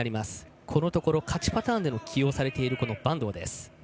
このところ勝ちパターンでの起用が多い板東です。